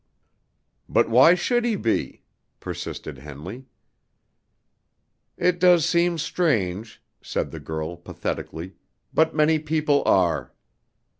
"But why should he be?" persisted Henley. "It does seem strange," said the girl, pathetically, "but many people are."